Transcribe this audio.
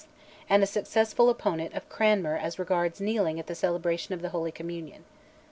and a successful opponent of Cranmer as regards kneeling at the celebration of the Holy Communion.